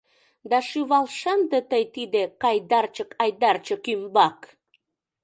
Да шӱвал шынде тый тиде Кайдарчык-Айдарчык ӱмбак!